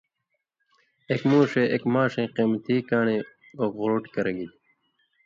اېک مُوݜے اېک ماݜئیں قیمتی کان٘ڑئ اوک غُرُٹ کرہ گِلیۡ۔